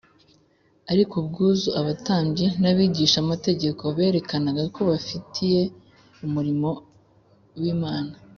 ariko ubwuzu abatambyi n’abigishamategeko berekanaga ko bafitiye umurimo w’imana,